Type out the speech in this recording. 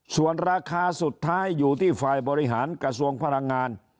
ส่วนราคาสุดท้ายอยู่ที่ฝ่ายบริหารกระทรวงพลังงาน